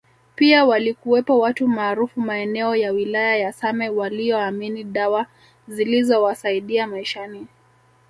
Pia walikuwepo watu maarufu maeneo ya wilaya ya same walioamini dawa zilizowasaidia maishani